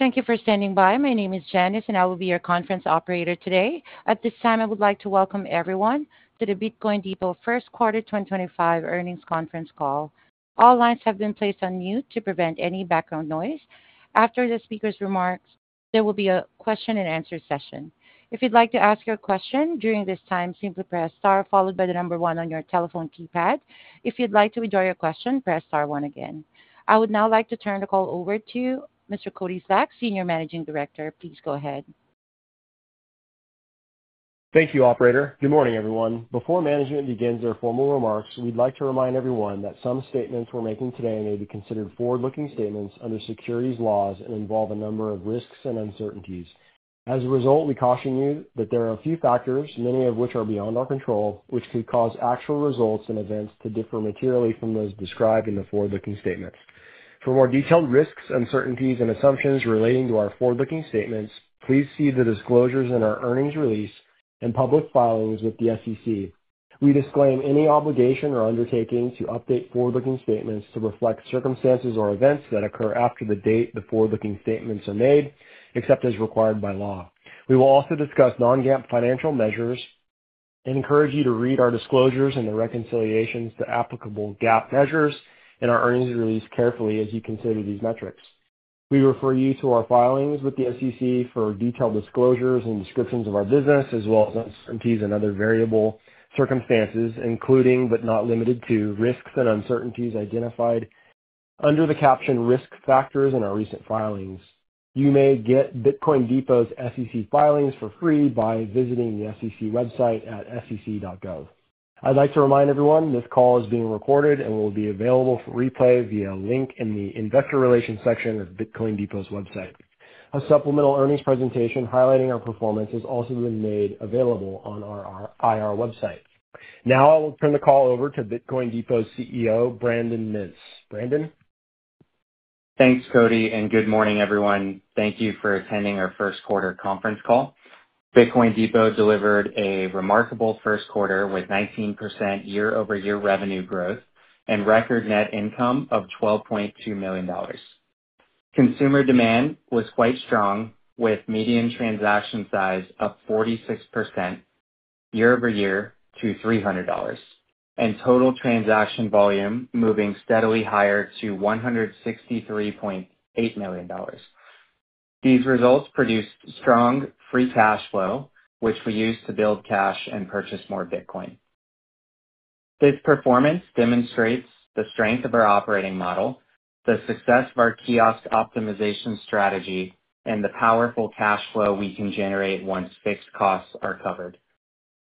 Thank you for standing by. My name is Janice, and I will be your conference operator today. At this time, I would like to welcome everyone to the Bitcoin Depot first quarter 2025 earnings conference call. All lines have been placed on mute to prevent any background noise. After the speaker's remarks, there will be a question-and-answer session. If you'd like to ask your question during this time, simply press star followed by the number one on your telephone keypad. If you'd like to withdraw your question, press star one again. I would now like to turn the call over to Mr. Cody Slach, Senior Managing Director. Please go ahead. Thank you, Operator. Good morning, everyone. Before management begins their formal remarks, we'd like to remind everyone that some statements we're making today may be considered forward-looking statements under securities laws and involve a number of risks and uncertainties. As a result, we caution you that there are a few factors, many of which are beyond our control, which could cause actual results and events to differ materially from those described in the forward-looking statements. For more detailed risks, uncertainties, and assumptions relating to our forward-looking statements, please see the disclosures in our earnings release and public filings with the SEC. We disclaim any obligation or undertaking to update forward-looking statements to reflect circumstances or events that occur after the date the forward-looking statements are made, except as required by law. We will also discuss non-GAAP financial measures and encourage you to read our disclosures and the reconciliations to applicable GAAP measures in our earnings release carefully as you consider these metrics. We refer you to our filings with the SEC for detailed disclosures and descriptions of our business, as well as uncertainties and other variable circumstances, including but not limited to risks and uncertainties identified under the captioned risk factors in our recent filings. You may get Bitcoin Depot's SEC filings for free by visiting the SEC website at sec.gov. I'd like to remind everyone this call is being recorded and will be available for replay via a link in the investor relations section of Bitcoin Depot's website. A supplemental earnings presentation highlighting our performance has also been made available on our IR website. Now I will turn the call over to Bitcoin Depot's CEO, Brandon Mintz. Brandon? Thanks, Cody, and good morning, everyone. Thank you for attending our first quarter conference call. Bitcoin Depot delivered a remarkable first quarter with 19% year-over-year revenue growth and record net income of $12.2 million. Consumer demand was quite strong, with median transaction size up 46% year-over-year to $300 and total transaction volume moving steadily higher to $163.8 million. These results produced strong free cash flow, which we used to build cash and purchase more Bitcoin. This performance demonstrates the strength of our operating model, the success of our kiosk optimization strategy, and the powerful cash flow we can generate once fixed costs are covered.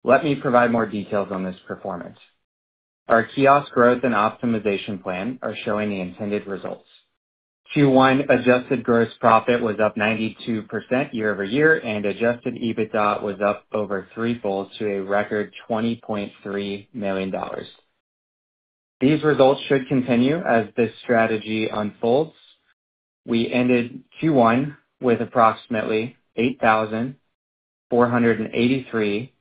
Let me provide more details on this performance. Our kiosk growth and optimization plan are showing the intended results. Q1 adjusted gross profit was up 92% year-over-year, and adjusted EBITDA was up over three-fold to a record $20.3 million. These results should continue as this strategy unfolds. We ended Q1 with approximately 8,483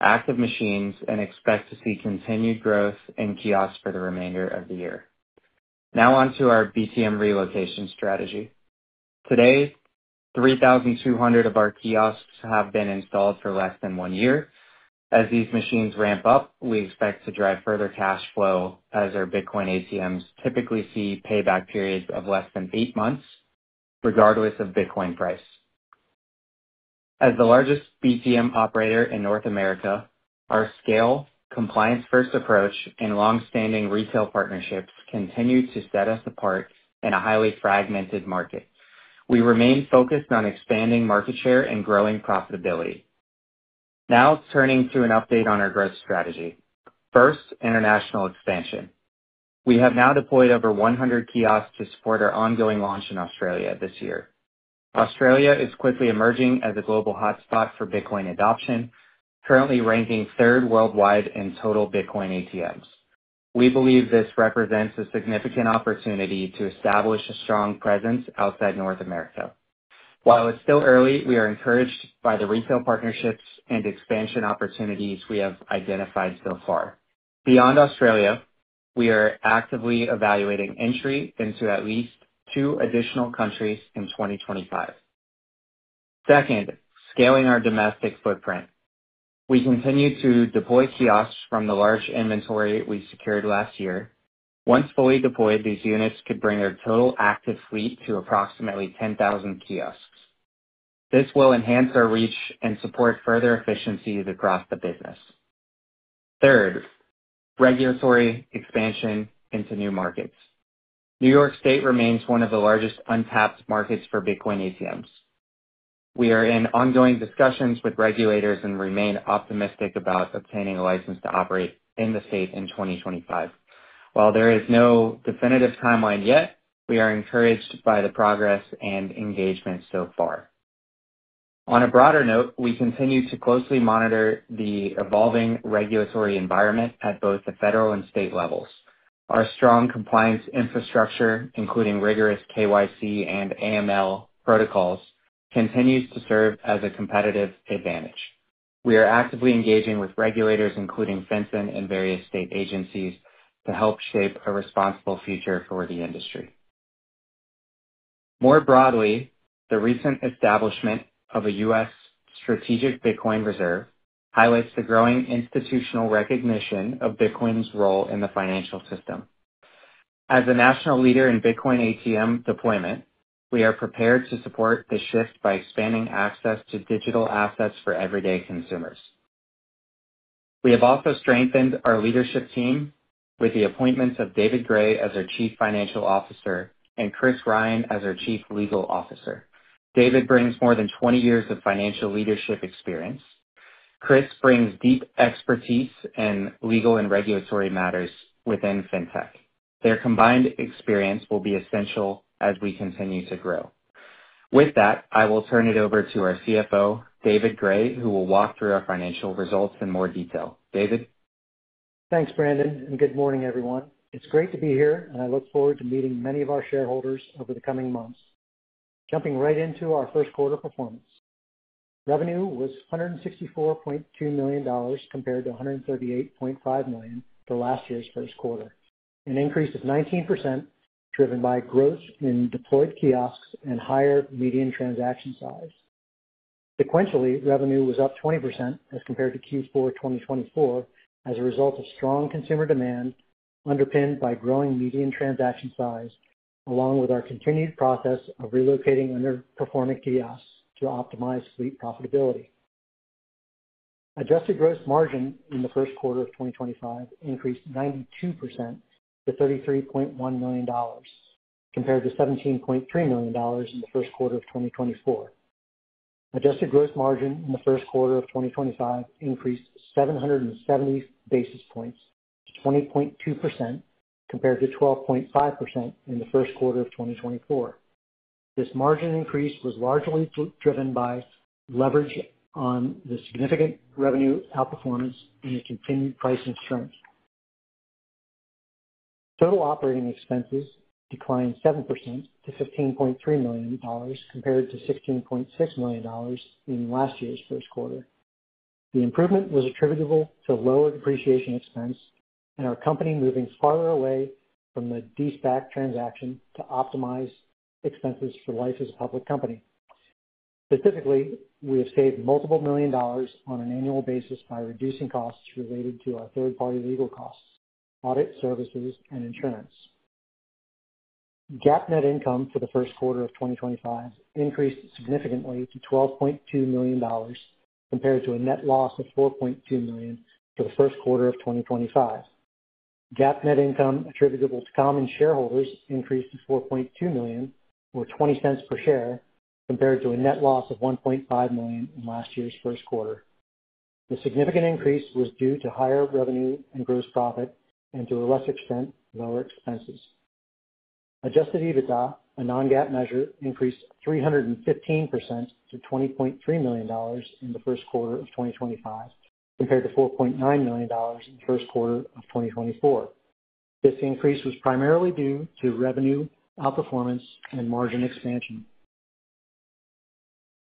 active machines and expect to see continued growth in kiosks for the remainder of the year. Now onto our BTM relocation strategy. Today, 3,200 of our kiosks have been installed for less than one year. As these machines ramp up, we expect to drive further cash flow as our Bitcoin ATMs typically see payback periods of less than eight months, regardless of Bitcoin price. As the largest BTM operator in North America, our scale, compliance-first approach, and long-standing retail partnerships continue to set us apart in a highly fragmented market. We remain focused on expanding market share and growing profitability. Now turning to an update on our growth strategy. First, international expansion. We have now deployed over 100 kiosks to support our ongoing launch in Australia this year. Australia is quickly emerging as a global hotspot for Bitcoin adoption, currently ranking third worldwide in total Bitcoin ATMs. We believe this represents a significant opportunity to establish a strong presence outside North America. While it's still early, we are encouraged by the retail partnerships and expansion opportunities we have identified so far. Beyond Australia, we are actively evaluating entry into at least two additional countries in 2025. Second, scaling our domestic footprint. We continue to deploy kiosks from the large inventory we secured last year. Once fully deployed, these units could bring our total active fleet to approximately 10,000 kiosks. This will enhance our reach and support further efficiencies across the business. Third, regulatory expansion into new markets. New York State remains one of the largest untapped markets for Bitcoin ATMs. We are in ongoing discussions with regulators and remain optimistic about obtaining a license to operate in the state in 2025. While there is no definitive timeline yet, we are encouraged by the progress and engagement so far. On a broader note, we continue to closely monitor the evolving regulatory environment at both the federal and state levels. Our strong compliance infrastructure, including rigorous KYC and AML protocols, continues to serve as a competitive advantage. We are actively engaging with regulators, including Fenton and various state agencies, to help shape a responsible future for the industry. More broadly, the recent establishment of a U.S. strategic Bitcoin reserve highlights the growing institutional recognition of Bitcoin's role in the financial system. As a national leader in Bitcoin ATM deployment, we are prepared to support the shift by expanding access to digital assets for everyday consumers. We have also strengthened our leadership team with the appointment of David Gray as our Chief Financial Officer and Chris Ryan as our Chief Legal Officer. David brings more than 20 years of financial leadership experience. Chris brings deep expertise in legal and regulatory matters within fintech. Their combined experience will be essential as we continue to grow. With that, I will turn it over to our CFO, David Gray, who will walk through our financial results in more detail. David. Thanks, Brandon, and good morning, everyone. It's great to be here, and I look forward to meeting many of our shareholders over the coming months. Jumping right into our first quarter performance, revenue was $164.2 million compared to $138.5 million for last year's first quarter, an increase of 19% driven by growth in deployed kiosks and higher median transaction size. Sequentially, revenue was up 20% as compared to Q4 2024 as a result of strong consumer demand underpinned by growing median transaction size, along with our continued process of relocating underperforming kiosks to optimize fleet profitability. Adjusted gross margin in the first quarter of 2025 increased 92% to $33.1 million compared to $17.3 million in the first quarter of 2024. Adjusted gross margin in the first quarter of 2025 increased 770 basis points to 20.2% compared to 12.5% in the first quarter of 2024. This margin increase was largely driven by leverage on the significant revenue outperformance and the continued pricing strength. Total operating expenses declined 7% to $15.3 million compared to $16.6 million in last year's first quarter. The improvement was attributable to lower depreciation expense and our company moving farther away from the de-SPAC transaction to optimize expenses for life as a public company. Specifically, we have saved multiple million dollars on an annual basis by reducing costs related to our third-party legal costs, audit services, and insurance. GAAP net income for the first quarter of 2025 increased significantly to $12.2 million compared to a net loss of $4.2 million for the first quarter of 2024. GAAP net income attributable to common shareholders increased to $4.2 million, or $0.20 per share, compared to a net loss of $1.5 million in last year's first quarter. The significant increase was due to higher revenue and gross profit and, to a lesser extent, lower expenses. Adjusted EBITDA, a non-GAAP measure, increased 315% to $20.3 million in the first quarter of 2025 compared to $4.9 million in the first quarter of 2024. This increase was primarily due to revenue outperformance and margin expansion.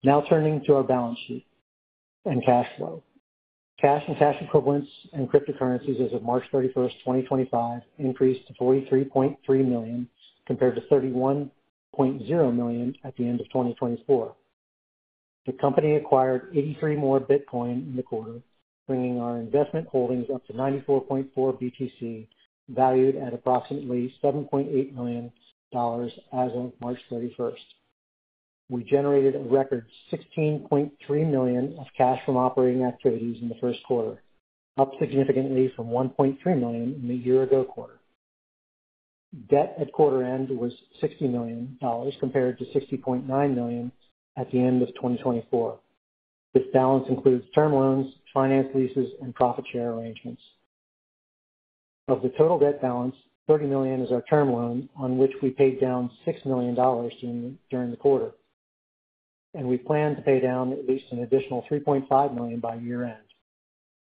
Now turning to our balance sheet and cash flow. Cash and cash equivalents and cryptocurrencies as of March 31st, 2025, increased to $43.3 million compared to $31.0 million at the end of 2024. The company acquired 83 more Bitcoin in the quarter, bringing our investment holdings up to 94.4 BTC, valued at approximately $7.8 million as of March 31st. We generated a record $16.3 million of cash from operating activities in the first quarter, up significantly from $1.3 million in the year-ago quarter. Debt at quarter end was $60 million compared to $60.9 million at the end of 2024. This balance includes term loans, finance leases, and profit share arrangements. Of the total debt balance, $30 million is our term loan on which we paid down $6 million during the quarter, and we plan to pay down at least an additional $3.5 million by year-end.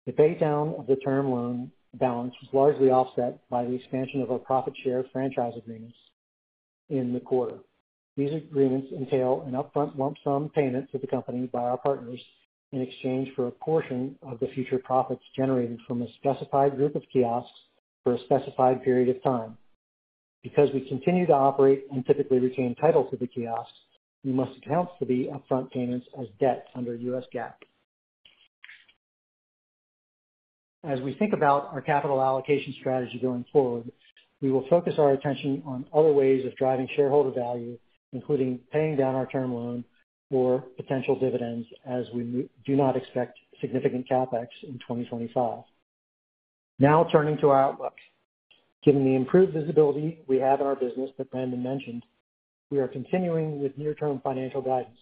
The paydown of the term loan balance was largely offset by the expansion of our profit share franchise agreements in the quarter. These agreements entail an upfront lump sum payment to the company by our partners in exchange for a portion of the future profits generated from a specified group of kiosks for a specified period of time. Because we continue to operate and typically retain title to the kiosks, we must account for the upfront payments as debt under U.S. GAAP. As we think about our capital allocation strategy going forward, we will focus our attention on other ways of driving shareholder value, including paying down our term loan or potential dividends as we do not expect significant CapEx in 2025. Now turning to our outlook. Given the improved visibility we have in our business that Brandon mentioned, we are continuing with near-term financial guidance.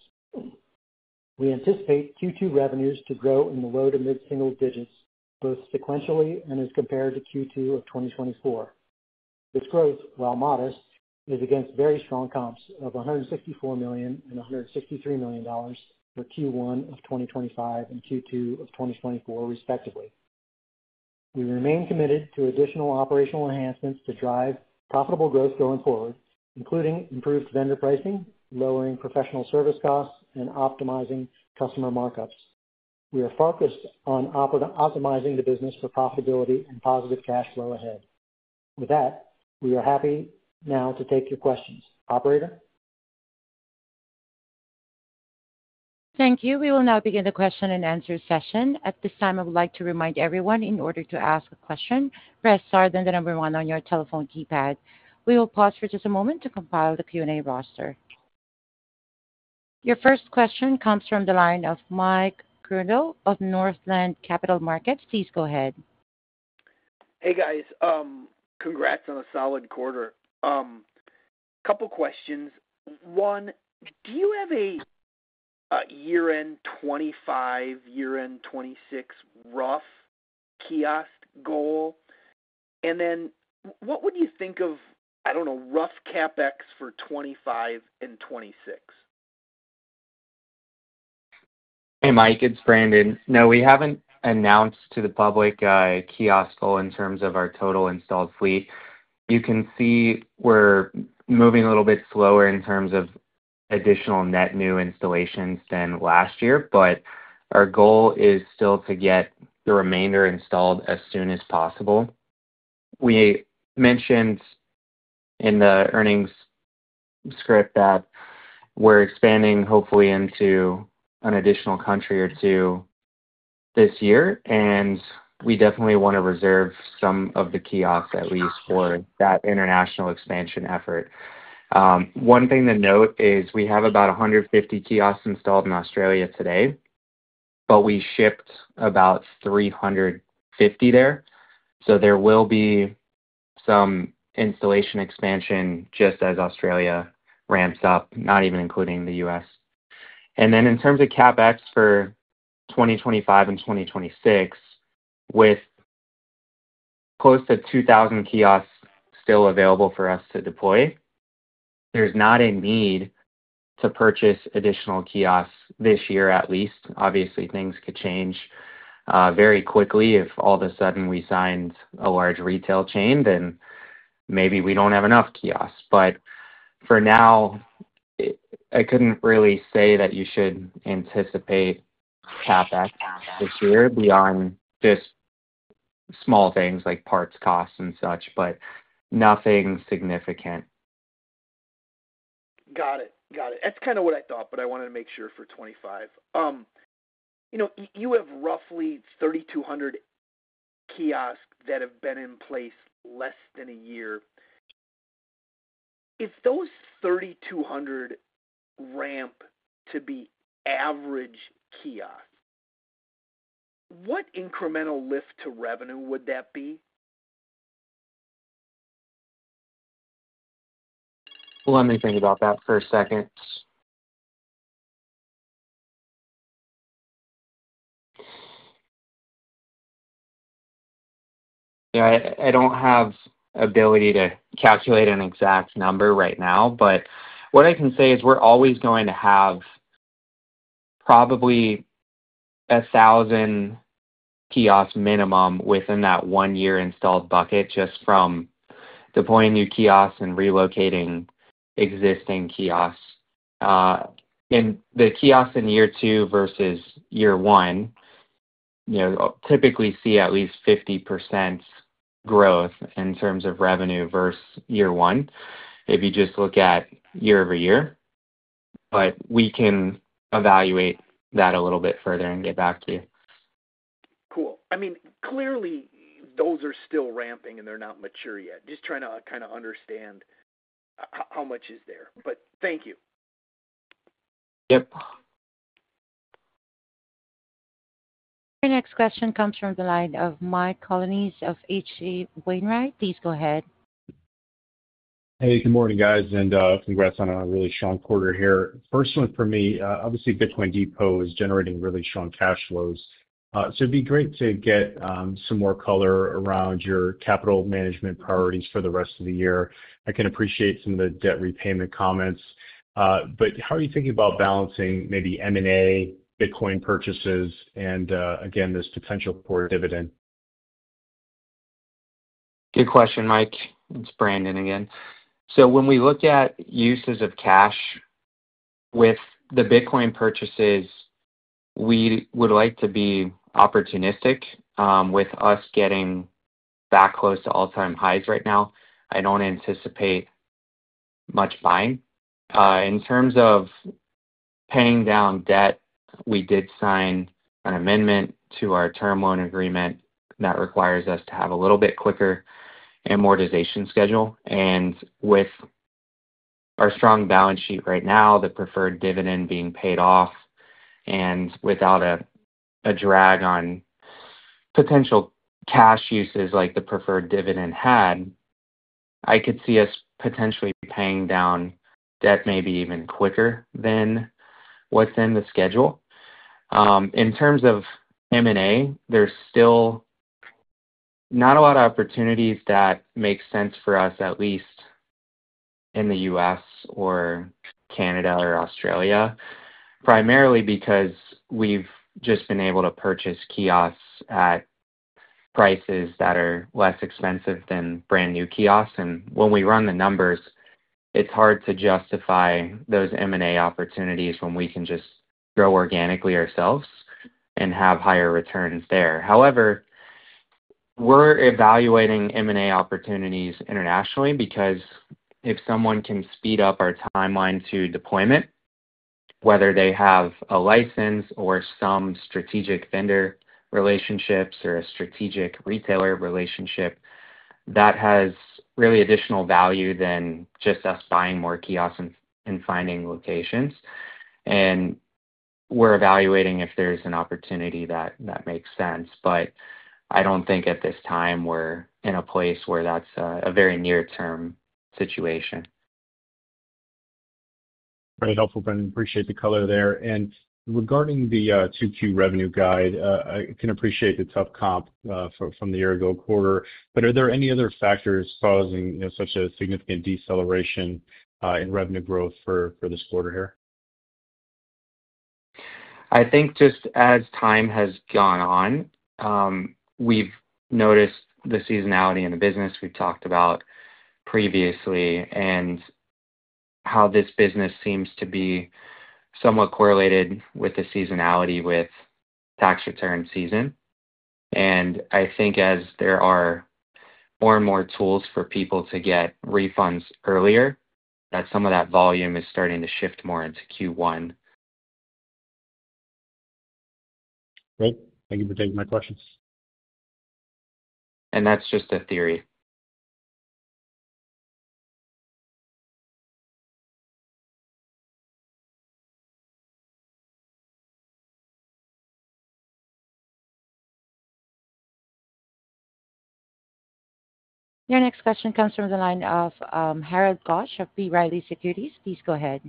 We anticipate Q2 revenues to grow in the low to mid-single digits, both sequentially and as compared to Q2 of 2024. This growth, while modest, is against very strong comps of $164 million and $163 million for Q1 of 2025 and Q2 of 2024, respectively. We remain committed to additional operational enhancements to drive profitable growth going forward, including improved vendor pricing, lowering professional service costs, and optimizing customer markups. We are focused on optimizing the business for profitability and positive cash flow ahead. With that, we are happy now to take your questions. Operator? Thank you. We will now begin the question and answer session. At this time, I would like to remind everyone in order to ask a question, press harder than the number one on your telephone keypad. We will pause for just a moment to compile the Q&A roster. Your first question comes from the line of Mike Grondahl of Northland Capital Markets. Please go ahead. Hey, guys. Congrats on a solid quarter. A couple of questions. One, do you have a year-end 2025, year-end 2026 rough kiosk goal? And then what would you think of, I don't know, rough CapEx for 2025 and 2026? Hey, Mike. It's Brandon. No, we haven't announced to the public a kiosk goal in terms of our total installed fleet. You can see we're moving a little bit slower in terms of additional net new installations than last year, but our goal is still to get the remainder installed as soon as possible. We mentioned in the earnings script that we're expanding, hopefully, into an additional country or two this year, and we definitely want to reserve some of the kiosks that we use for that international expansion effort. One thing to note is we have about 150 kiosks installed in Australia today, but we shipped about 350 there. There will be some installation expansion just as Australia ramps up, not even including the U.S. In terms of CapEx for 2025 and 2026, with close to 2,000 kiosks still available for us to deploy, there is not a need to purchase additional kiosks this year at least. Obviously, things could change very quickly. If all of a sudden we signed a large retail chain, then maybe we do not have enough kiosks. For now, I could not really say that you should anticipate CapEx this year beyond just small things like parts costs and such, but nothing significant. Got it. Got it. That's kind of what I thought, but I wanted to make sure for 2025. You have roughly 3,200 kiosks that have been in place less than a year. If those 3,200 ramp to be average kiosks, what incremental lift to revenue would that be? Let me think about that for a second. Yeah, I don't have the ability to calculate an exact number right now, but what I can say is we're always going to have probably 1,000 kiosks minimum within that one-year installed bucket just from deploying new kiosks and relocating existing kiosks. The kiosks in year two versus year one typically see at least 50% growth in terms of revenue versus year one, if you just look at year over year. We can evaluate that a little bit further and get back to you. Cool. I mean, clearly, those are still ramping, and they're not mature yet. Just trying to kind of understand how much is there. Thank you. Yep. Your next question comes from the line of Mike Colonnese of H.C. Wainwright. Please go ahead. Hey, good morning, guys, and congrats on a really strong quarter here. First one for me, obviously, Bitcoin Depot is generating really strong cash flows. It'd be great to get some more color around your capital management priorities for the rest of the year. I can appreciate some of the debt repayment comments. How are you thinking about balancing maybe M&A, Bitcoin purchases, and again, this potential for dividend? Good question, Mike. It's Brandon again. When we look at uses of cash with the Bitcoin purchases, we would like to be opportunistic. With us getting back close to all-time highs right now, I don't anticipate much buying. In terms of paying down debt, we did sign an amendment to our term loan agreement that requires us to have a little bit quicker amortization schedule. With our strong balance sheet right now, the preferred dividend being paid off and without a drag on potential cash uses like the preferred dividend had, I could see us potentially paying down debt maybe even quicker than what's in the schedule. In terms of M&A, there's still not a lot of opportunities that make sense for us, at least in the U.S. or Canada or Australia, primarily because we've just been able to purchase kiosks at prices that are less expensive than brand new kiosks. When we run the numbers, it's hard to justify those M&A opportunities when we can just grow organically ourselves and have higher returns there. However, we're evaluating M&A opportunities internationally because if someone can speed up our timeline to deployment, whether they have a license or some strategic vendor relationships or a strategic retailer relationship, that has really additional value than just us buying more kiosks and finding locations. We're evaluating if there's an opportunity that makes sense. I don't think at this time we're in a place where that's a very near-term situation. Very helpful, Brandon. Appreciate the color there. Regarding the Q2 revenue guide, I can appreciate the tough comp from the year-ago quarter. Are there any other factors causing such a significant deceleration in revenue growth for this quarter here? I think just as time has gone on, we've noticed the seasonality in the business we've talked about previously and how this business seems to be somewhat correlated with the seasonality with tax return season. I think as there are more and more tools for people to get refunds earlier, that some of that volume is starting to shift more into Q1. Great. Thank you for taking my questions. That's just a theory. Your next question comes from the line of Hal Goetsch of B. Riley Securities. Please go ahead.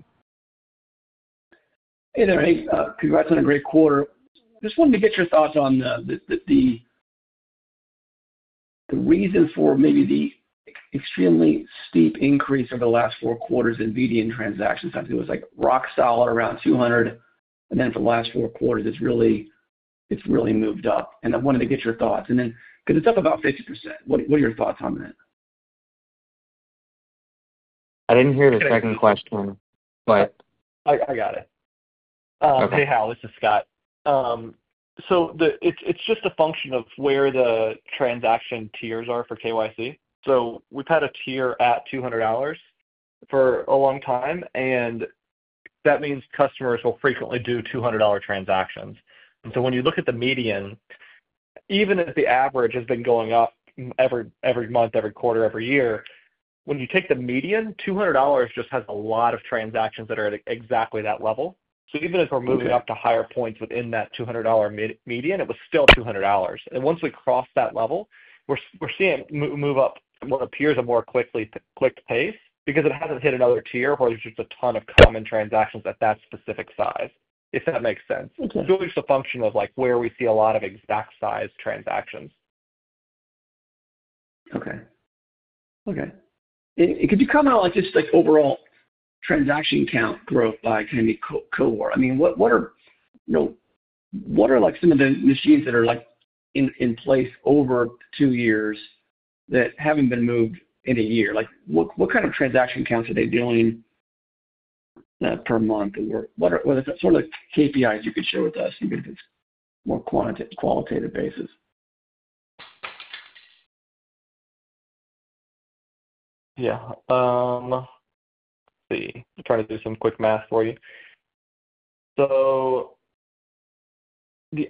Hey, there. Hey, congrats on a great quarter. Just wanted to get your thoughts on the reason for maybe the extremely steep increase over the last four quarters in median transactions. It was rock solid around 200, and then for the last four quarters, it's really moved up. I wanted to get your thoughts. Because it's up about 50%. What are your thoughts on that? I didn't hear the second question, but. I got it. Okay. Hey, Hal. This is Scott. It's just a function of where the transaction tiers are for KYC. We've had a tier at $200 for a long time, and that means customers will frequently do $200 transactions. When you look at the median, even if the average has been going up every month, every quarter, every year, when you take the median, $200 just has a lot of transactions that are at exactly that level. Even if we're moving up to higher points within that $200 median, it was still $200. Once we cross that level, we're seeing it move up at what appears a more quick pace because it hasn't hit another tier where there's just a ton of common transactions at that specific size, if that makes sense. It's a function of where we see a lot of exact-sized transactions. Okay. Okay. Could you comment on just overall transaction count growth by kind of cohort? I mean, what are some of the machines that are in place over two years that haven't been moved in a year? What kind of transaction counts are they doing per month? What are some of the KPIs you could share with us, even if it's more qualitative basis? Yeah. Let's see. I'll try to do some quick math for you. So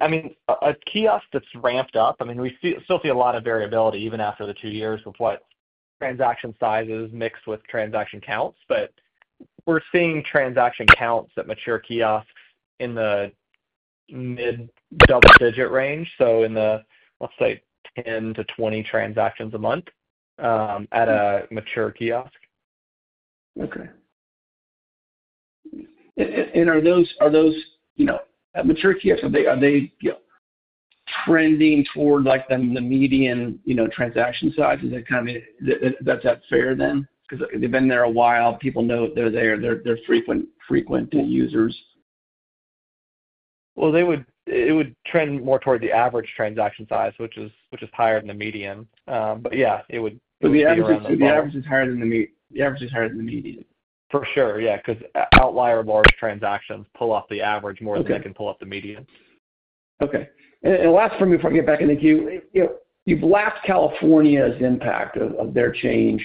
I mean, a kiosk that's ramped up, I mean, we still see a lot of variability even after the two years with what transaction sizes mixed with transaction counts. But we're seeing transaction counts at mature kiosks in the mid-double-digit range, so in the, let's say, 10-20 transactions a month at a mature kiosk. Okay. Are those mature kiosks, are they trending toward the median transaction size? Is that kind of—does that fair then? Because they've been there a while. People know that they're there. They're frequent users. It would trend more toward the average transaction size, which is higher than the median. Yeah, it would be around that. The average is higher than the median. For sure, yeah. Because outlier large transactions pull off the average more than they can pull up the median. Okay. Last, before we get back into queue, you have left California's impact of their change.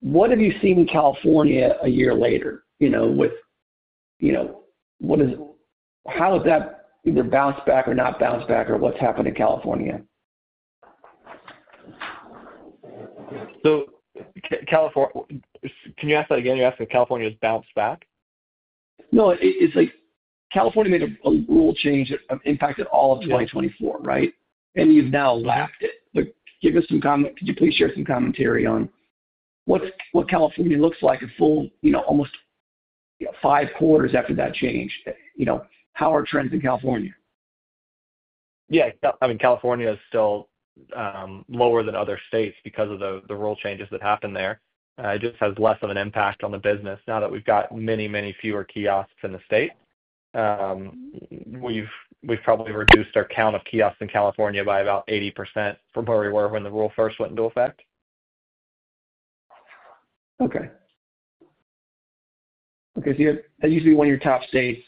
What have you seen in California a year later? What is—how has that either bounced back or not bounced back, or what has happened in California? Can you ask that again? You're asking if California has bounced back? No. California made a rule change that impacted all of 2024, right? You have now lapped it. Could you please share some commentary on what California looks like a full, almost five quarters after that change? How are trends in California? Yeah. I mean, California is still lower than other states because of the rule changes that happened there. It just has less of an impact on the business now that we've got many, many fewer kiosks in the state. We've probably reduced our count of kiosks in California by about 80% from where we were when the rule first went into effect. Okay. Okay. So that used to be one of your top states.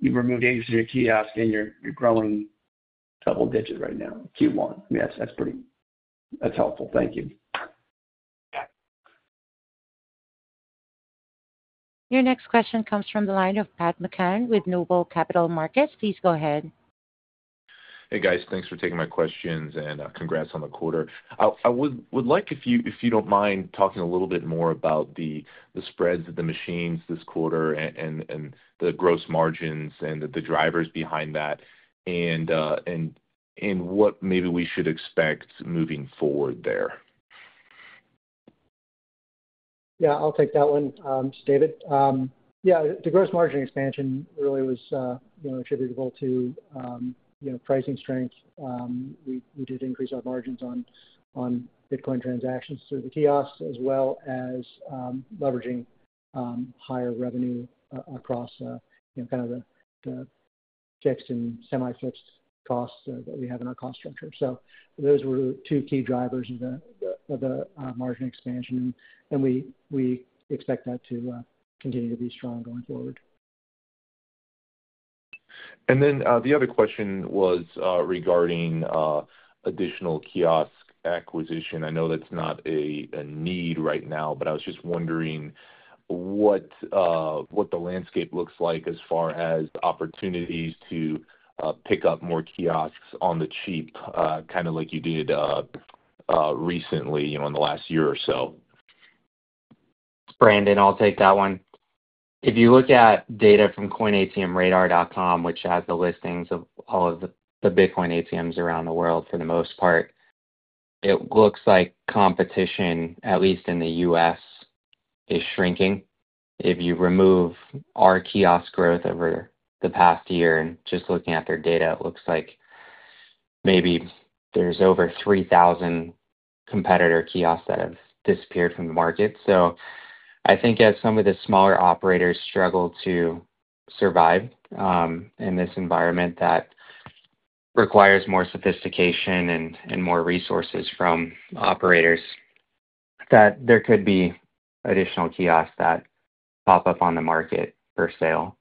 You've removed 80% of your kiosks, and you're growing double-digit right now, Q1. I mean, that's helpful. Thank you. Your next question comes from the line of Pat McKeown with Noble Capital Markets. Please go ahead. Hey, guys. Thanks for taking my questions, and congrats on the quarter. I would like, if you don't mind, talking a little bit more about the spreads of the machines this quarter and the gross margins and the drivers behind that and what maybe we should expect moving forward there. Yeah. I'll take that one, it's David. Yeah. The gross margin expansion really was attributable to pricing strength. We did increase our margins on Bitcoin transactions through the kiosks as well as leveraging higher revenue across kind of the fixed and semi-fixed costs that we have in our cost structure. Those were two key drivers of the margin expansion, and we expect that to continue to be strong going forward. The other question was regarding additional kiosk acquisition. I know that's not a need right now, but I was just wondering what the landscape looks like as far as opportunities to pick up more kiosks on the cheap, kind of like you did recently in the last year or so. Brandon, I'll take that one. If you look at data from coinatmradar.com, which has the listings of all of the Bitcoin ATMs around the world for the most part, it looks like competition, at least in the U.S., is shrinking. If you remove our kiosk growth over the past year and just looking at their data, it looks like maybe there's over 3,000 competitor kiosks that have disappeared from the market. I think as some of the smaller operators struggle to survive in this environment that requires more sophistication and more resources from operators, there could be additional kiosks that pop up on the market for sale.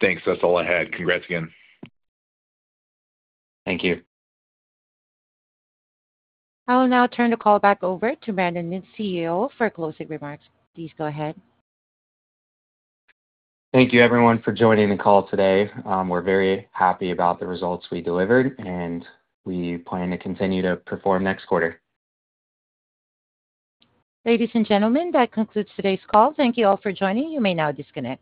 Thanks. That's all I had. Congrats again. Thank you. I'll now turn the call back over to Brandon Mintz, CEO, for closing remarks. Please go ahead. Thank you, everyone, for joining the call today. We're very happy about the results we delivered, and we plan to continue to perform next quarter. Ladies and gentlemen, that concludes today's call. Thank you all for joining. You may now disconnect.